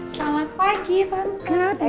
selamat pagi tante